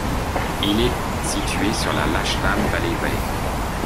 Il est situé sur la Lachlan Valley Way.